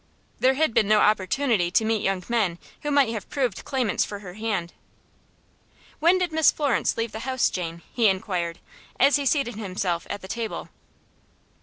There had been no opportunity to meet young men who might have proved claimants for her hand. "When did Miss Florence leave the house, Jane?" he inquired, as he seated himself at the table.